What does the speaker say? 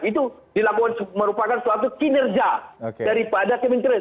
itu dilakukan merupakan suatu kinerja daripada kementerian